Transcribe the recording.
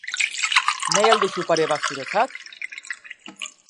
Nahi al duzu pare bat zuretzat?